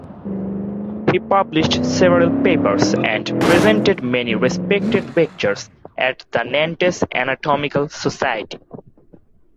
He published several papers and presented many respected lectures at the Nantes Anatomical Society.